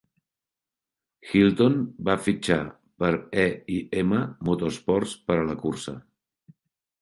Hylton va fitxar per E i M Motorsports per a la cursa.